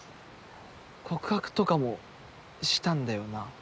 告白とかもしたんだよな？